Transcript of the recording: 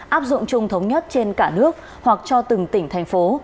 áp dụng chung thống nhất trên cả nước hoặc cho từng tỉnh thành phố